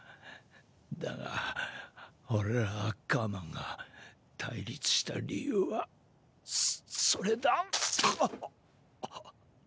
だが俺らアッカーマンが対立した理由はそれだガハッ！！